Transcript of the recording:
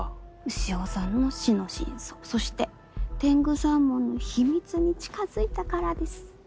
潮さんの死の真相そして天狗サーモンの秘密に近づいたからです。